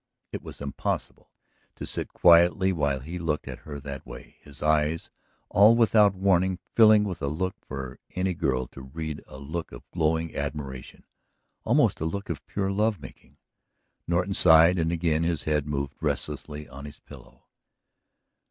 It was impossible to sit quietly while he looked at her that way, his eyes all without warning filling with a look for any girl to read a look of glowing admiration, almost a look of pure love making. Norton sighed and again his head moved restlessly on his pillow.